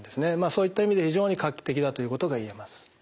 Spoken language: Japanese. そういった意味で非常に画期的だということがいえます。